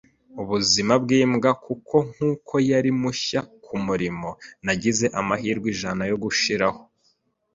ubuzima bwimbwa, kuko nkuko yari mushya kumurimo, nagize amahirwe ijana yo gushiraho